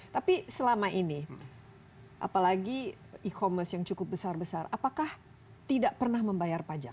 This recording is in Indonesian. tapi selama ini apalagi e commerce yang cukup besar besar apakah tidak pernah membayar pajak